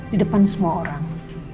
di depan semua orang